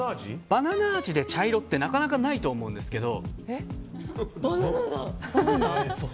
バナナ味で茶色ってなかなかないと思うんですけど。